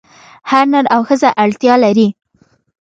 هر نر او ښځه اړتیا لري.